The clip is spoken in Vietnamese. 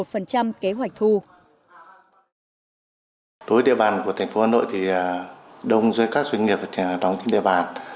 đối với địa bàn của thành phố hà nội thì đông dưới các doanh nghiệp đóng trên địa bàn